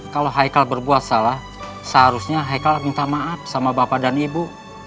kalau hai kal berbuat salah seharusnya hai kal minta maaf sama bapak dan ibu